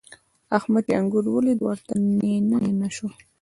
احمد چې انګور وليدل؛ ورته نينه نينه شو.